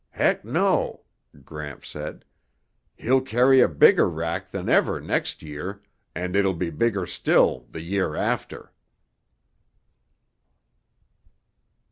"Heck no," Gramps said. "He'll carry a bigger rack than ever next year, and it'll be bigger still the year after."